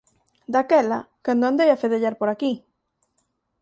Daquela, cando andei a fedellar por aquí.